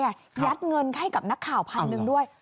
ยัดเงินให้กับนักข่าวพันหนึ่งด้วย